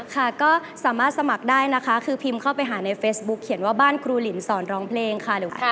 ค่ะก็สามารถสมัครได้นะคะคือพิมพ์เข้าไปหาในเฟซบุ๊คเขียนว่าบ้านครูหลินสอนร้องเพลงค่ะ